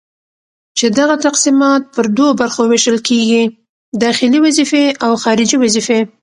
چي دغه تقسيمات پر دوو برخو ويشل کيږي:داخلي وظيفي او خارجي وظيفي